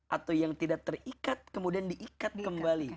atau yang tidak terikat kemudian diikat kembali